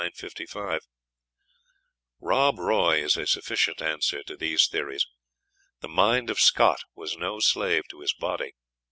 ] "Rob Roy" is a sufficient answer to these theories. The mind of Scott was no slave to his body.